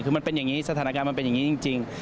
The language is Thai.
คือมันเป็นอย่างนี้สถานการณ์มันเป็นอย่างนี้จริง